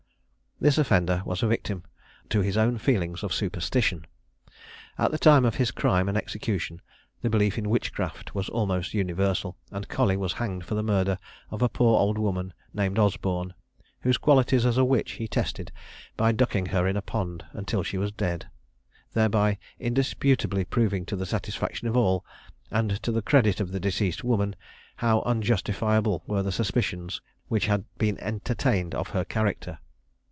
This offender was a victim to his own feelings of superstition. At the time of his crime and execution the belief in witchcraft was almost universal, and Colley was hanged for the murder of a poor old woman named Osborne, whose qualities as a witch he tested by ducking her in a pond until she was dead, thereby indisputably proving to the satisfaction of all, and to the credit of the deceased woman, how unjustifiable were the suspicions which had been entertained of her character.